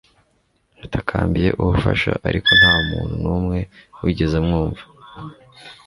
Yatakambiye ubufasha, ariko nta muntu numwe wigeze amwumva